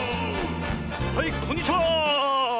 はいこんにちは！